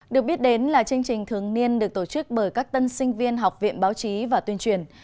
được biết đến là chương trình thường niên được tổ chức bởi các tân sinh viên học viện báo chí và tuyên truyền